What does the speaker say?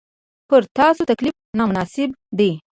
پر تاسو تکلیف نامناسب دی.